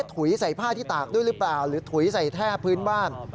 ถุยใส่ผ้าที่ตากด้วยหรือเปล่าหรือถุยใส่แท่พื้นบ้าน